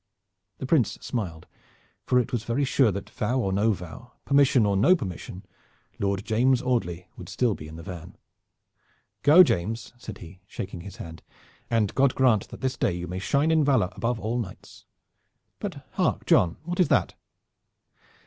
The Prince smiled, for it was very sure that vow or no vow, permission or no permission, Lord James Audley would still be in the van. "Go, James," said he, shaking his hand, "and God grant that this day you may shine in valor above all knights. But hark, John, what is that?"